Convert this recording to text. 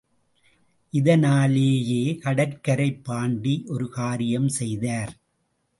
இதனாலேயே, கடற்கரைப் பாண்டி ஒரு காரியம் செய்தார்.